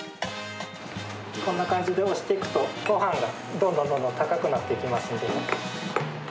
こんな感じで押していくと、ごはんがどんどんどんどん高くなっていきますので。